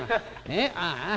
ああああ。